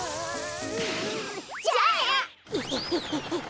じゃあな！